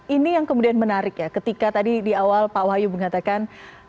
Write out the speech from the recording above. ini yang kemudian menarik ya ketika tadi di awal pak wahyu mengatakan